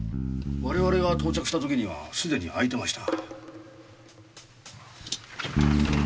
我々が到着した時にはすでに開いていました。